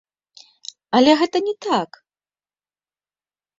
Але гэта не так.